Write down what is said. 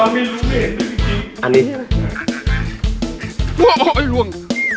ตอนนี้รู้เหมือนกันจริง